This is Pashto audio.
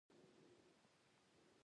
د کوڅې د چراغ رڼا زیاته شوې وه.